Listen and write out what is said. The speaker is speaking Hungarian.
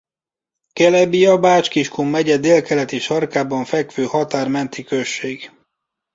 Kelebia Bács-Kiskun megye délkeleti sarkában fekvő határ menti község.